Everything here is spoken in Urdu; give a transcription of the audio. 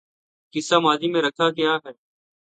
قصہ ماضی میں رکھا کیا ہے